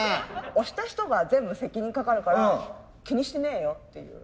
押した人が全部責任かかるから気にしてねえよっていう。